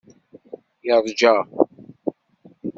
Yeṛja.